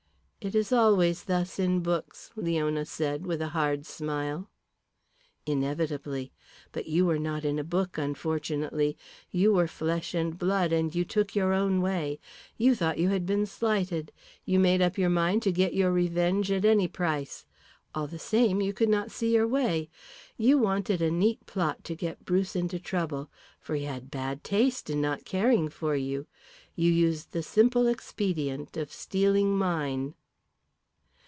"It is always thus in books," Leona said, with a hard smile. "Inevitably. But you were not in a book, unfortunately. You were flesh and blood and you took your own way. You thought you had been slighted. You made up your mind to get your revenge at any price. All the same, you could not see your way. You wanted a neat plot to get Bruce into trouble, for he had bad taste in not caring for you. You used the simple expedient of stealing mine."